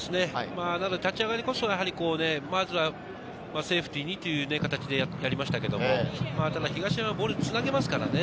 立ち上がりこそ、まずセーフティーにという形でやりましたけど、東山、ボールつなげますからね。